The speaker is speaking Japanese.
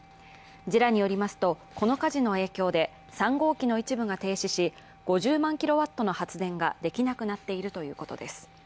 ＪＥＲＡによりますと、この火事の影響で３号機の一部が停止し、５０万キロワットの発電ができなくなっているということです。